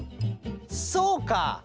そうか！